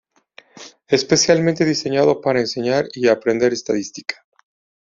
Especialmente diseñado para enseñar y aprender estadística.